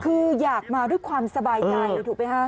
คืออยากมาด้วยความสบายใจถูกไหมฮะ